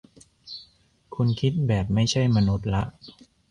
คุณคิดแบบไม่ใช่มนุษย์ละ